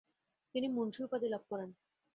তিনি মুনশি উপাধি লাভ করেন।